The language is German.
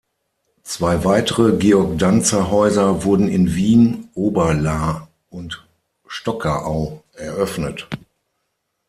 Zwei weitere Georg-Danzer-Häuser wurden in Wien-Oberlaa und Stockerau eröffnet.